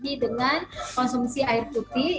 kemudian mengkonsumsi dari buah buahan yang mengandung air banyak